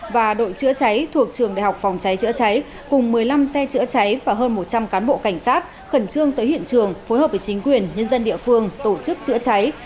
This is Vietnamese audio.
và đội chữa cháy thuộc trường đại học phòng cháy chữa cháy cùng một mươi năm xe chữa cháy và hơn một trăm linh cán bộ cảnh sát khẩn trương tới hiện trường phối hợp với chính quyền nhân dân địa phương tổ chức chữa cháy